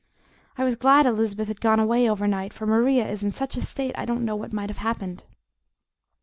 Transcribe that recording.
I was glad Elizabeth had gone away overnight, for Maria is in such a state I don't know what might have happened."